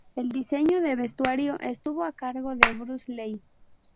El diseño de vestuario estuvo a cargo de Bruce Lai.